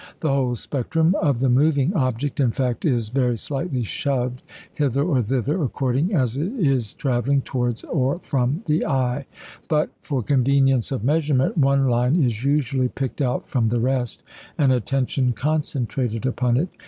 The whole spectrum of the moving object, in fact, is very slightly shoved hither or thither, according as it is travelling towards or from the eye; but, for convenience of measurement, one line is usually picked out from the rest, and attention concentrated upon it.